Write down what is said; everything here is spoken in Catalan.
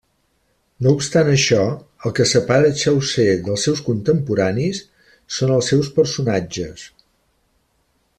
No obstant això, el que separa Chaucer dels seus contemporanis són els seus personatges.